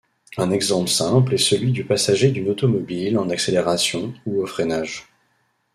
Un exemple simple est celui du passager d'une automobile en accélération ou au freinage.